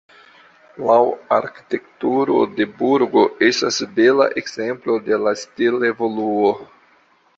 Laŭ arkitekturo la burgo estas bela ekzemplo de la stil-evoluo.